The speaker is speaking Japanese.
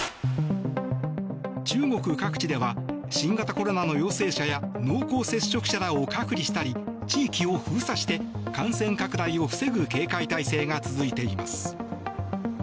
中国各地では新型コロナの陽性者や濃厚接触者らを隔離したり地域を封鎖して感染拡大を防ぐ警戒態勢が続いています。